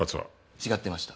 違ってました。